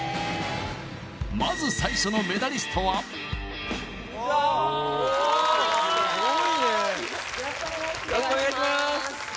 まず最初のメダリストはよろしくお願いします